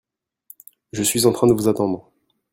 Je suis en train de vous attendre.